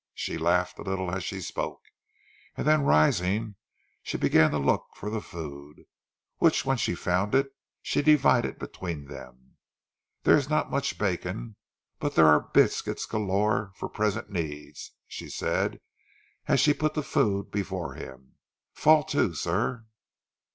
She laughed a little as she spoke, then rising, began to look for the food, which, when she had found it, she divided between them. "There is not much bacon, but there are biscuits galore for present needs," she said as she put the food before him. "Fall to, sir!"